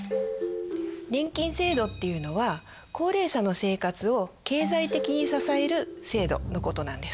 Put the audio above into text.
年金制度っていうのは高齢者の生活を経済的に支える制度のことなんです。